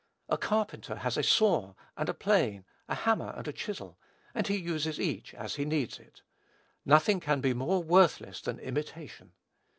A carpenter has a saw and a plane, a hammer and a chisel; and he uses each as he needs it. Nothing can be more worthless than imitation.